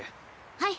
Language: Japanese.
はい。